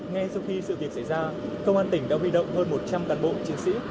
ngay sau khi sự việc xảy ra công an tỉnh đã huy động hơn một trăm linh cán bộ chiến sĩ